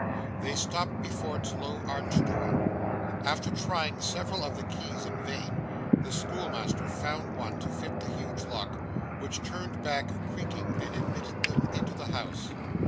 They stopped before its low arched door. After trying several of the keys in vain, the schoolmaster found one to fit the huge lock, which turned back, creaking, and admitted them into the house.